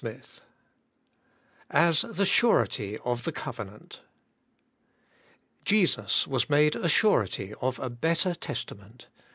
ABIDE m CHEIST AS THE SURETY OF THE COVENANT. 'Jesus was made a surety of a better testament.